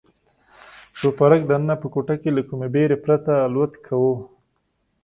شوپرک دننه په کوټه کې له کومې بېرې پرته الوت کاوه.